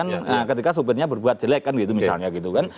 kan ketika sopirnya berbuat jelek kan gitu misalnya gitu kan